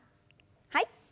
はい。